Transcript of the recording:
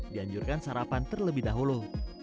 dianjurkan sarapan terlebih dahulu